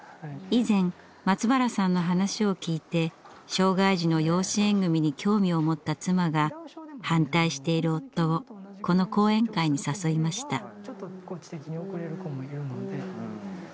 以前松原さんの話をきいて障害児の養子縁組に興味を持った妻が反対している夫をこの講演会に誘いました。